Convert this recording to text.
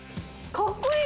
かっこいい！